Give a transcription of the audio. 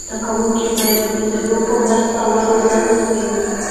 زده کونکي باید د مادیاتو په مرسته و روزل سي.